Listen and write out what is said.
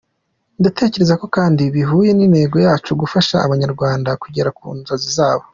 Ndatekereza ko kandi bihuye n’intego yacu yo gufasha abanyarwanda kugera ku nzozi zabo.